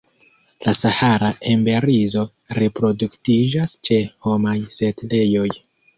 La Sahara emberizo reproduktiĝas ĉe homaj setlejoj.